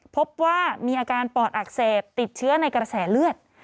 พบว่ามีอาการปอดอักเสบติดเชื้อในกระแสเลือด